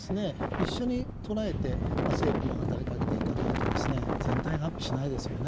一緒に唱えて政府も働きかけていかないと全体がアップしないですよね。